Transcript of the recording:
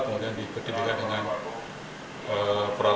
kemudian dipertimbangkan dengan peralatan